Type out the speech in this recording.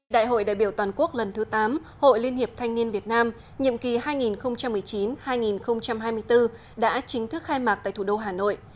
đại hội đại biểu toàn quốc lần thứ tám hội liên hiệp thanh niên việt nam nhiệm kỳ hai nghìn một mươi chín hai nghìn hai mươi bốn đã chính thức khai mạc tại thủ đô hà nội